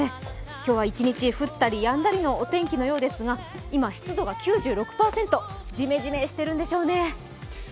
今日は一日降ったりやんだりのお天気のようですが今、湿度が９６％、ジメジメしてるんでしょうね。